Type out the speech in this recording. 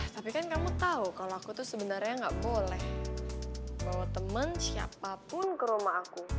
tapi kan kamu tahu kalau aku tuh sebenarnya nggak boleh bawa teman siapapun ke rumah aku